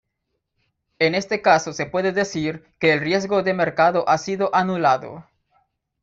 En este caso se puede decir que el riesgo de mercado ha sido anulado.